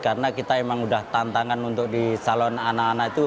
karena kita emang udah tantangan untuk di salon anak anak itu